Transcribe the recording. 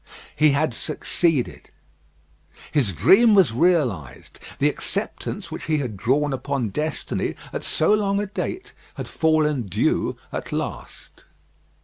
He had succeeded. His dream was realised. The acceptance which he had drawn upon destiny at so long a date had fallen due at last.